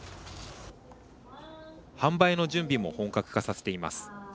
販売の準備も本格化させています。